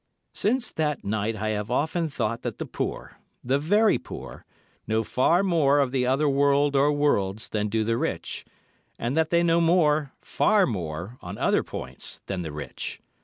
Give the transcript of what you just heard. Since that night I have often thought that the poor—the very poor—know far more of the other world or worlds than do the rich, and that they know more—far more—on other points than the rich.